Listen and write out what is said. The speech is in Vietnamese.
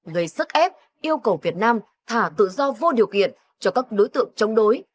gây sức ép yêu cầu việt nam thả tự do vô điều kiện cho các đối tượng chống đối